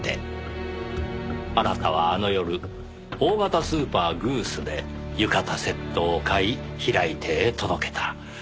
あなたはあの夜大型スーパーグースで浴衣セットを買い平井邸へ届けた。